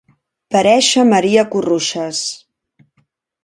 Parèixer Maria Corruixes.